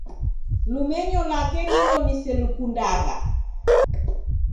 Lumenyo lwake nilo niselukundagha